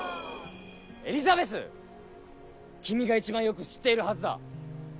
「エリザベス！君が一番よく知っているはずだ」